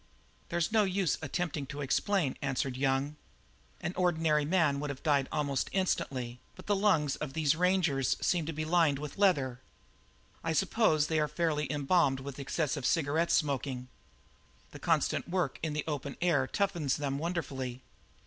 "There's no use attempting to explain," answered Young. "An ordinary man would have died almost instantly, but the lungs of some of these rangers seem to be lined with leather. I suppose they are fairly embalmed with excessive cigarette smoking. The constant work in the open air toughens them wonderfully.